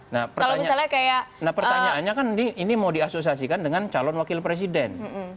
nah pertanyaannya kan ini mau diasosiasikan dengan calon wakil presiden